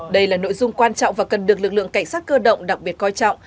đây là nội dung quan trọng và cần được lực lượng cảnh sát cơ động đặc biệt coi trọng